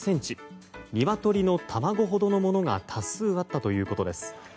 ニワトリの卵ほどのものが多数あったということです。